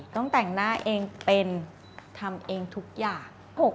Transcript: ต้องแต่งหน้าเองเป็นทำเองทุกอย่าง